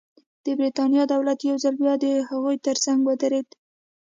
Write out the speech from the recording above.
د برېټانیا دولت یو ځل بیا د هغوی ترڅنګ ودرېد.